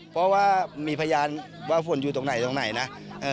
เพราะว่ามีพยานว่าฝนอยู่ตรงไหนตรงไหนนะ